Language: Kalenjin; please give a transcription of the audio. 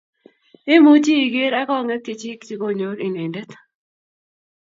imuchi iger ak kongek chechik che konyor inendet